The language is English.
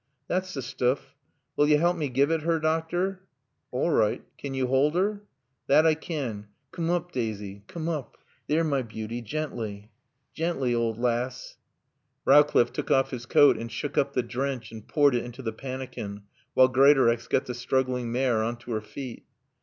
"Thot's the stoof. Will yo halp me give it 'er, doctor?" "All right. Can you hold her?" "That I can. Coom oop, Daasy. Coom oop. There, my beauty. Gently, gently, owd laass." Rowcliffe took off his coat and shook up the drench and poured it into the pannikin, while Greatorex got the struggling mare on to her feet.